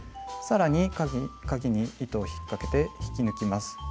さらにかぎに糸を引っかけて引き抜きます。